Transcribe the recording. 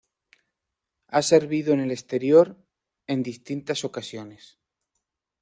Ha servido en el exterior en distintas ocasiones.